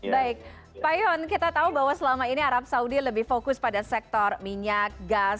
baik pak yon kita tahu bahwa selama ini arab saudi lebih fokus pada sektor minyak gas